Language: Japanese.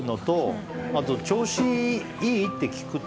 調子いい？って聞くと。